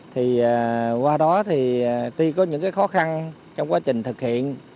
thì qua đó thì tuy có những cái khó khăn trong quá trình thực hiện